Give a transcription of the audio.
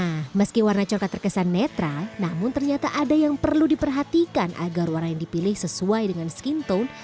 nah meski warna coklat terkesan netral namun ternyata ada yang perlu diperhatikan agar warna yang dipilih sesuai dengan skintone